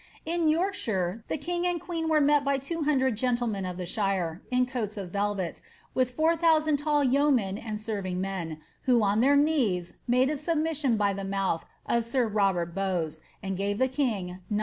In Yorkshire the king and queen were met by two hundred gentlemen of the shire, in coats of velvet, with four thousand tall yeomen am^servingHnen, who on their knees made a submission by the mouth of sir Robert Bowes, and gave the king 900